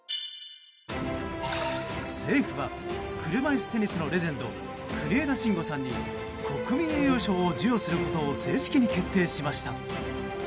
政府は車いすテニスのレジェンド国枝慎吾さんに国民栄誉賞を授与することを正式に決定しました。